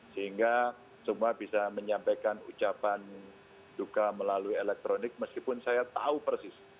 sehingga semua bisa menyampaikan ucapan duka melalui elektronik meskipun saya tahu persis